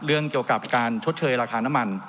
เรื่องเกี่ยวกับการชดเชยราคาน้ำมัน